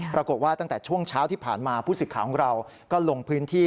ปรากฏว่าตั้งแต่ช่วงเช้าที่ผ่านมาผู้สิทธิ์ของเราก็ลงพื้นที่